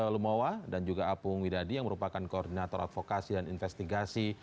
lumowa dan juga apung widadi yang merupakan koordinator advokasi dan investigasi